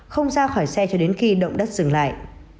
không ra khỏi xe cho đến khi động đất dừng lại